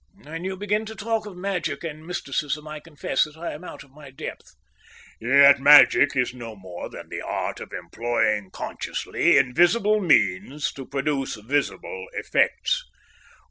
"When you begin to talk of magic and mysticism I confess that I am out of my depth." "Yet magic is no more than the art of employing consciously invisible means to produce visible effects.